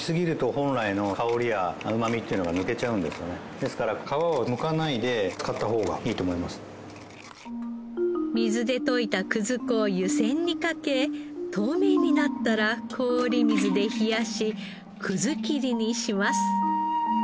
ですから水で溶いた粉を湯煎にかけ透明になったら氷水で冷やし切りにします。